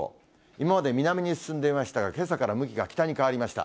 今まで南に進んでいましたが、けさから向きが北に変わりました。